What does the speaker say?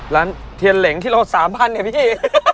ร้านเทียนเหล็งที่เราสามพันเนี่ยพี่